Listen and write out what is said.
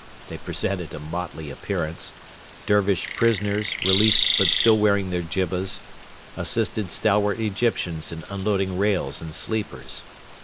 They presented a motley appearance. Dervish prisoners, released but still wearing their jibbas, assisted stalwart Egyptians in unloading rails and sleepers.